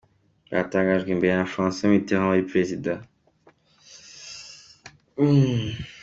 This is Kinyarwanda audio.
Barangajwe imbere na François Mitterand wari Perezida.